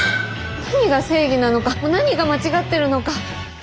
何が正義なのか何が間違ってるのか。